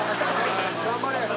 「頑張れ！」